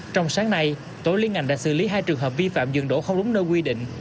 trong sáng nay tổ liên ngành đã xử lý hai trường hợp vi phạm dừng đổ không đúng nơi quy định